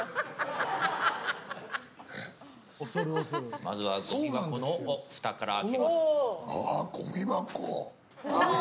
まずはごみ箱のふたから開けます。